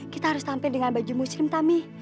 kita harus sampai dengan baju muslim tami